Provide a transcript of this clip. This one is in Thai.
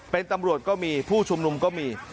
เป็นตำรวจก็มีผู้ชุมนุมก็มี